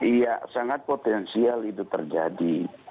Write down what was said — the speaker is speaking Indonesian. iya sangat potensial itu terjadi